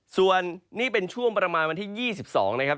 ส่วนนี่เป็นช่วงประมาณวันที่๒๒นะครับ